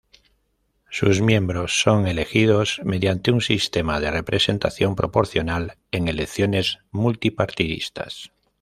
Sus miembros son elegidos mediante un sistema de representación proporcional en elecciones multipartidistas.